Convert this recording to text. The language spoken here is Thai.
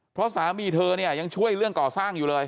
เพราะสามีเธอเนี่ยยังช่วยเรื่องก่อสร้างอยู่เลย